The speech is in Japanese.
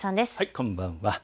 こんばんは。